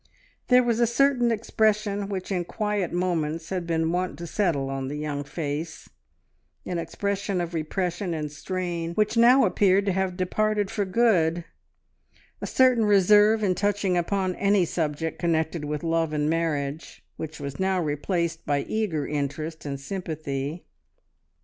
There was a certain expression which in quiet moments had been wont to settle on the young face, an expression of repression and strain, which now appeared to have departed for good, a certain reserve in touching upon any subject connected with love and marriage, which was now replaced by eager interest and sympathy.